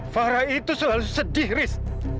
fahra itu selalu sedih riz